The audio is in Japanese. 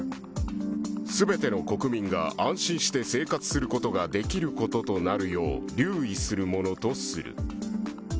すべての国民が安心して生活することができることとなるよう留意するものとする。